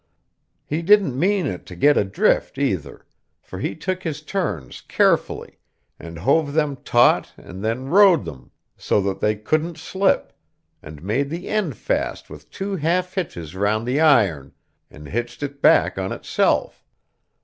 He didn't mean it to get adrift, either, for he took his turns carefully, and hove them taut and then rode them, so that they couldn't slip, and made the end fast with two half hitches round the iron, and hitched it back on itself.